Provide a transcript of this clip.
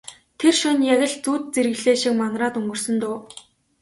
Тэр шөнө яг л зүүд зэрэглээ шиг манараад өнгөрсөн дөө.